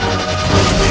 saya akan keluar